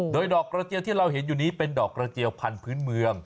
โดยดอกกระเจียวที่เราเห็นอยู่นี้เป็นดอกกระเจียวพันธุ์เมือง